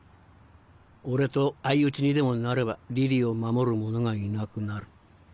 俺と相打ちにでもなればリリーを守る者がいなくなる。